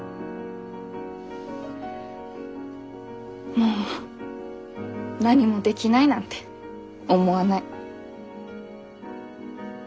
もう何もできないなんて思わない。